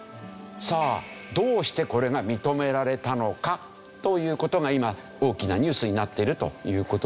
さあどうしてこれが認められたのか？という事が今大きなニュースになっているという事ですよね。